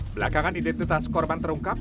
belakangan identitas korban terungkap